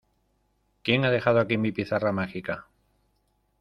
¿ Quién ha dejado aquí mi pizarra mágica?